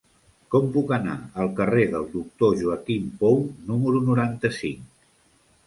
Com puc anar al carrer del Doctor Joaquim Pou número noranta-cinc?